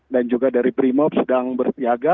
dan juga dari primo sedang berpiaga